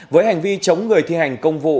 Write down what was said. với hành vi chống người thi hành công vụ